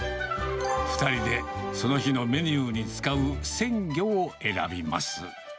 ２人でその日のメニューに使う鮮魚を選びます。